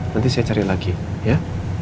nanti saya cari lagi ya